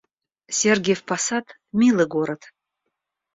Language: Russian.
Сергиев Посад — милый город